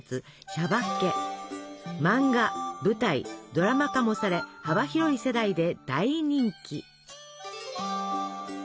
漫画舞台ドラマ化もされ幅広い世代で大人気。